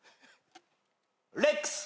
レックス！